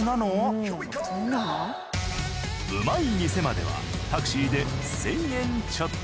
うまい店まではタクシーで１，０００円ちょっと。